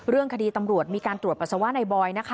เรื่องคดีตำรวจมีการตรวจปัสสาวะในบอยนะคะ